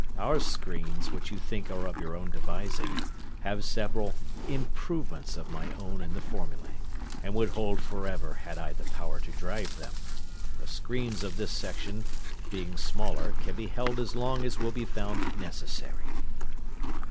"Our screens, which you think are of your own devising, have several improvements of my own in the formulae, and would hold forever had I the power to drive them. The screens of this section, being smaller, can be held as long as will be found necessary."